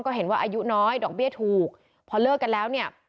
ก็เห็นว่าอายุน้อยดอกเบี้ยถูกพอเลิกกันแล้วเนี่ย